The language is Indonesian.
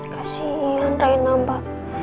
kasian raina mbak